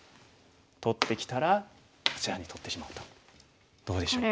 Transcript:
取ってきたらこちらに取ってしまうとどうでしょう？